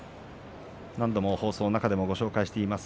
何度も放送の中でも紹介しています。